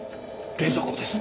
冷蔵庫です！